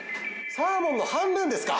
サーモンの半分ですか。